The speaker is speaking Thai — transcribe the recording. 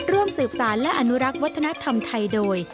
ร่วมสืบสารและอนุรักษ์วัฒนธรรมไทยโดย